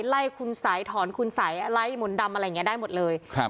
ไล่คุณสัยถอนคุณสัยอะไรมนต์ดำอะไรอย่างเงี้ได้หมดเลยครับ